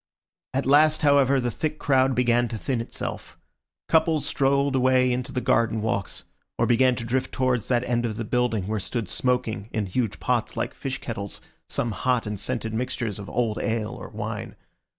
At last, however, the thick crowd began to thin itself. Couples strolled away into the garden walks, or began to drift towards that end of the building where stood smoking, in huge pots like fish kettles, some hot and scented mixtures of old ale or wine.